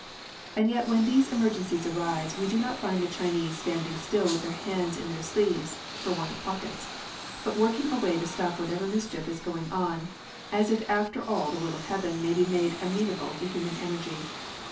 And yet when these emergencies arise we do not find the Chinese standing still with their hands in their sleeves (for want of pockets), but working away to stop whatever mischief is going on, as if after all the will of Heaven may be made amenable to human energy.